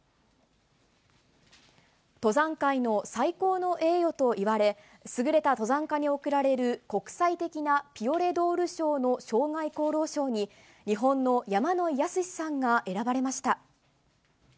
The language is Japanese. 登山界の最高の栄誉といわれ、優れた登山家に贈られる国際的なピオレドール賞の生涯功労賞に、日本の山野井泰史さんが選ばれました。